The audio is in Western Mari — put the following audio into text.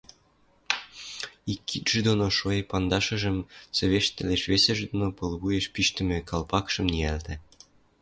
Ик кидшӹ доно шоэ пандашыжым цӹвештылеш, весӹжӹ доно пылвуеш пиштӹмӹ калпакшым ниӓлтӓ.